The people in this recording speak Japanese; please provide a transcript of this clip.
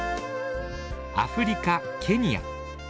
アフリカケニア。